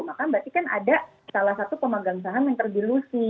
maka berarti kan ada salah satu pemegang saham yang terdilusi